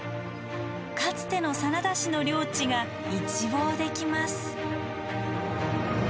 かつての真田氏の領地が一望できます。